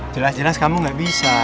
jelas jelas kamu gak bisa